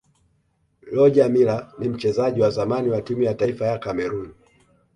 rogermiller ni mchezaji wa zamani wa timu ya taifa ya cameroon